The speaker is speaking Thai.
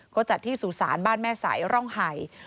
เขาจัดที่สู่สารบ้านแม่สัยร่องไห่